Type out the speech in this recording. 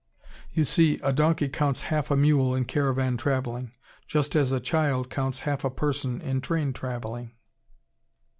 You see, a donkey counts half a mule in caravan traveling, just as child counts half a person in train traveling.